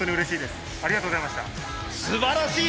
すばらしい！